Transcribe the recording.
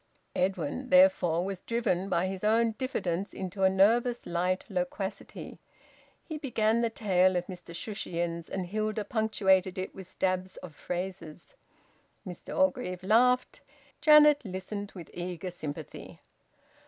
Edwin, therefore, was driven by his own diffidence into a nervous light loquacity. He began the tale of Mr Shushions, and Hilda punctuated it with stabs of phrases. Mr Orgreave laughed. Janet listened with eager sympathy.